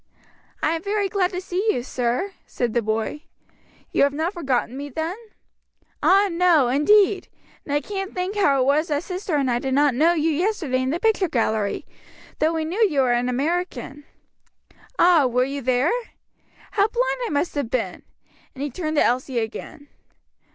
"I am very glad to see you, sir," said the boy. "You have not forgotten me then?" "Ah, no, indeed; and I can't think how it was that sister and I did not know you yesterday in the picture gallery; though we knew you were an American!" "Ah, were you there? How blind I must have been!" and he turned to Elsie again.